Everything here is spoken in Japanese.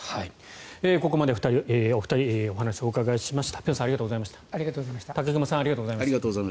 ここまでお二人お話をお伺いしました。